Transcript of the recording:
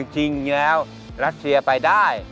จริงแล้วรัสเซียไปได้